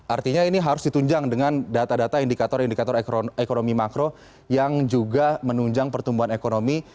artinya ini harus ditunjang dengan data data indikator indikator ekonomi makro yang juga menunjang pertumbuhan ekonomi